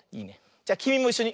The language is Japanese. じゃきみもいっしょに。